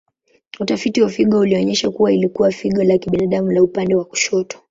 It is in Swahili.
Utafiti wa figo ulionyesha kuwa ilikuwa figo la kibinadamu la upande wa kushoto.